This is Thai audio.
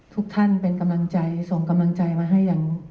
ทุกท่านเป็นกำลังใจส่งกำลังใจมาให้อย่าง